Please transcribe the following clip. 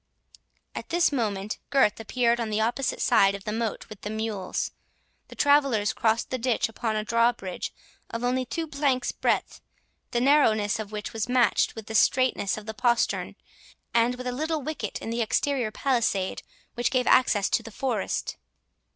At this moment Gurth appeared on the opposite side of the moat with the mules. The travellers crossed the ditch upon a drawbridge of only two planks breadth, the narrowness of which was matched with the straitness of the postern, and with a little wicket in the exterior palisade, which gave access to the forest.